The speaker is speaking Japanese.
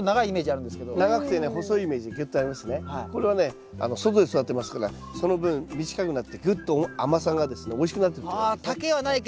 これはね外で育てますからその分短くなってグッと甘さがですねおいしくなってると思いますね。